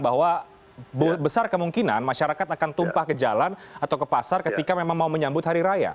bahwa besar kemungkinan masyarakat akan tumpah ke jalan atau ke pasar ketika memang mau menyambut hari raya